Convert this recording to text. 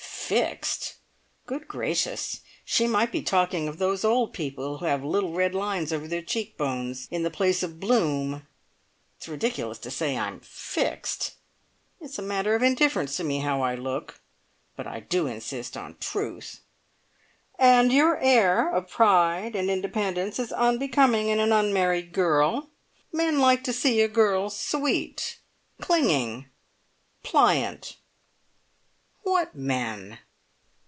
"Fixed!" Good gracious! She might be talking of those old people who have little red lines over their cheek bones in the place of "bloom". It's ridiculous to say I am "fixed". It is a matter of indifference to me how I look, but I do insist on truth!) "and your air of pride and independence is unbecoming in an unmarried girl. Men like to see a girl sweet, clinging, pliant." "What men?"